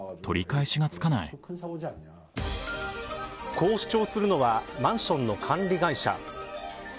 こう主張するのはマンションの管理会社。